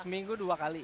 seminggu dua kali